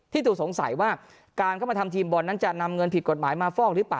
ตัวสงสัยว่าการเข้ามาทำทีมบอลนั้นจะนำเงินผิดกฎหมายมาฟอกหรือเปล่า